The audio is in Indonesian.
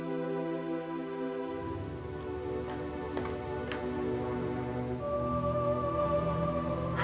aku jadi pingin melihat dia